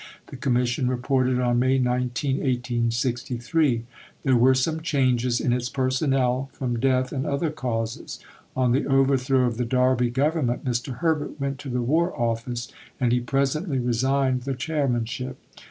The Commission reported on May 19, 1863. There were some changes in its personnel from death and other causes. On the overthrow of the Derby Government, Mr. Herbert went to the War Office, and he presently resigned the chairmanship.